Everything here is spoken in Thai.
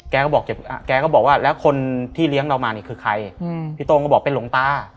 แกก็บอกว่าแล้วคนที่เลี้ยงเรามานี่คือใครพี่โต้งก็บอกเป็นหลวงตา